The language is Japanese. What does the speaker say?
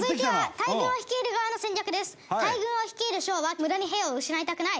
大軍を率いる将は無駄に兵を失いたくない。